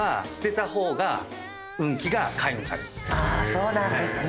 そうなんですね。